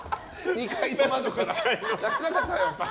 ２階の窓から。